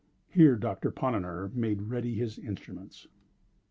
Here Doctor Ponnonner made ready his instruments.